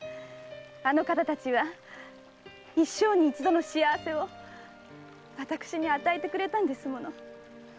あの方たちは一生に一度の幸せを私に与えてくれたんですもの。